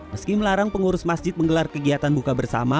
meski melarang pengurus masjid menggelar kegiatan buka bersama